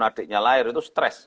adiknya lahir itu stress